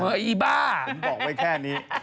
อีบ้าผมบอกไว้แค่นี้